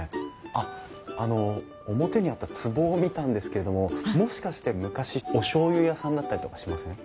あっあの表にあったつぼを見たんですけどももしかして昔おしょうゆ屋さんだったりとかしません？